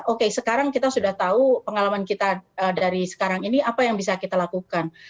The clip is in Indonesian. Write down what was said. oke sekarang kita sudah tahu pengalaman kita dari sekarang ini apa yang bisa kita lakukan